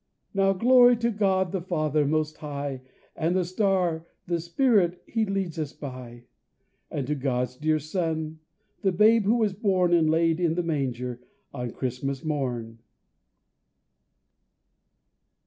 Now Glory to God the Father Most High, And the Star, the Spirit, He leads us by. And to God's dear Son, the Babe who was born And laid in the manger on Christmas morn!